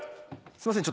すいません。